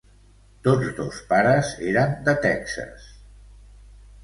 Tots dos pares eren de Texas.